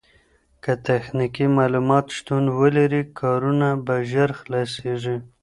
که تخنيکي معلومات شتون ولري کارونه به ژر خلاصيږي.